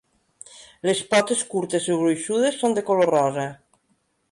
Les potes curtes i gruixudes són de color rosa.